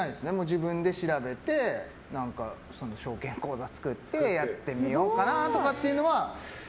自分で調べて証券口座作ってやってみようかなっていうのは。